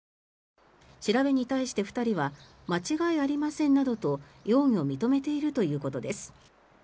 調べに対して２人は間違いありませんなどと容疑を認めているということです。